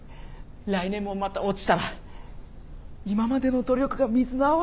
来年もまた落ちたら今までの努力が水の泡に。